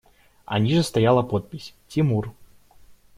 А ниже стояла подпись: «Тимур».